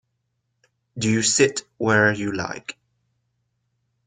Do you sit where you like.